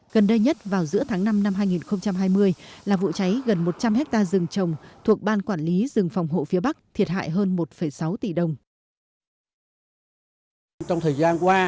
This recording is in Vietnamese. gần đây nhất vào giữa tháng năm năm hai nghìn hai mươi là vụ cháy gần một trăm linh hectare rừng trồng thuộc ban quản lý rừng phòng hộ phía bắc thiệt hại hơn một sáu tỷ đồng